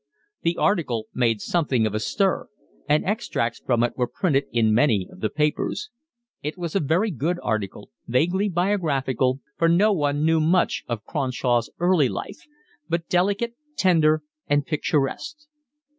The article made something of a stir, and extracts from it were printed in many of the papers. It was a very good article, vaguely biographical, for no one knew much of Cronshaw's early life, but delicate, tender, and picturesque.